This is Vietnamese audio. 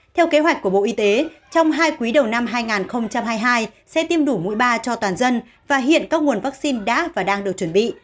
theo kế hoạch của bộ y tế trong hai quý đầu năm hai nghìn hai mươi hai sẽ tiêm đủ mũi ba cho toàn dân và hiện các nguồn vaccine đã và đang được chuẩn bị